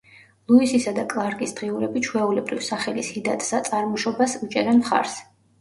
ლუისისა და კლარკის დღიურები ჩვეულებრივ, სახელის ჰიდატსა წარმოშობას უჭერენ მხარს.